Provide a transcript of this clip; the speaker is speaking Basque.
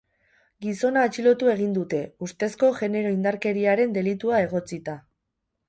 Gizona atxilotu egin dute, ustezko genero-indarkeriaren delitua egotzita.